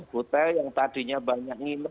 hotel yang tadinya banyak yang minum